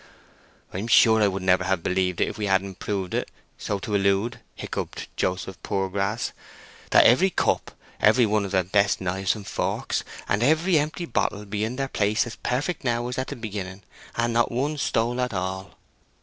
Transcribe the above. "I'm sure I should never have believed it if we hadn't proved it, so to allude," hiccupped Joseph Poorgrass, "that every cup, every one of the best knives and forks, and every empty bottle be in their place as perfect now as at the beginning, and not one stole at all."